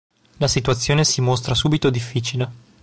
La situazione si mostra subito difficile.